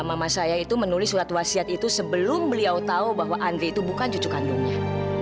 sampai jumpa di video selanjutnya